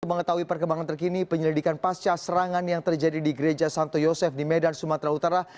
mengetahui perkembangan terkini penyelidikan pasca serangan yang terjadi di gereja santo yosef di medan sumatera utara